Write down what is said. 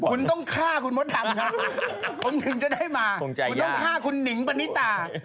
คุณต้องฆ่าคุณมดดำครับผมถึงจะได้มาคุณต้องฆ่าคุณหนิงปณิตา